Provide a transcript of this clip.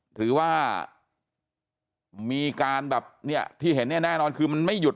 หรือว่ามีการแบบนี้ที่เห็นแน่คือมันไม่หยุด